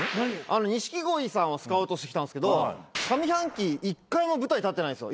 錦鯉さんをスカウトしてきたんですけど上半期１回も舞台立ってないんですよ